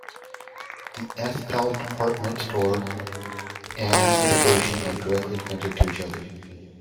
The S-Pal department store and the Station are directly connected to each other.